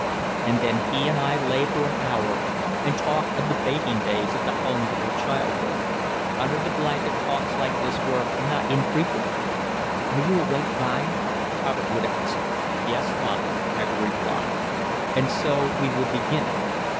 And then he and I lay for an hour and talked of the baking days at the homes of our childhood. Under the blanket talks like this were not infrequent. "Are you awake, b'y?" Hubbard would ask. "Yes, b'y," I would reply, and so we would begin.